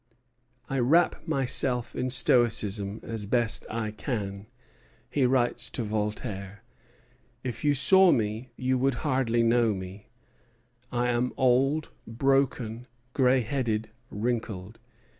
"I wrap myself in my stoicism as best I can," he writes to Voltaire. "If you saw me you would hardly know me: I am old, broken, gray headed, wrinkled.